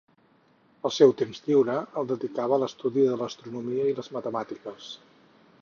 El seu temps lliure el dedicava a l'estudi de l'astronomia i les matemàtiques.